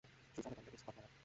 সুস্বাগতম ladies, godmother!